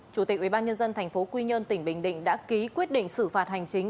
chủ tịch ubnd tp quy nhơn tỉnh bình định đã ký quyết định xử phạt hành chính